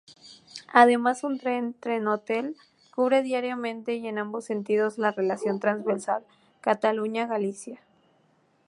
Además un tren Trenhotel cubre diariamente y en ambos sentidos la relación transversal Cataluña-Galicia.